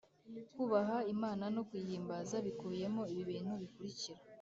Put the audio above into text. Kubaha Imana no kuyihimbaza bikubiyemo ibibintu bikurikira